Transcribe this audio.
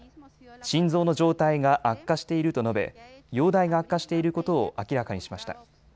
心臓の状態が悪化していると述べ容体が悪化していることを明らかにしました。